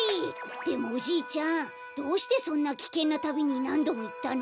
でもおじいちゃんどうしてそんなきけんなたびになんどもいったの？